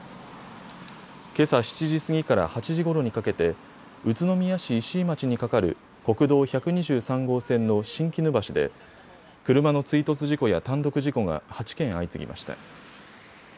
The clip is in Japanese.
けさ７時過ぎから８時ごろにかけて宇都宮市石井町に架かる国道１２３号線の新鬼怒橋で車の追突事故や単独事故が８件相次ぎました。